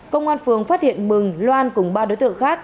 công an phường phát hiện mừng loan cùng ba đối tượng khác